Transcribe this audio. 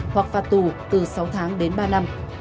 hoặc phạt tù từ sáu tháng đến ba năm